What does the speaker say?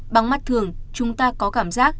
bằng mắt thường chúng ta có cảm giác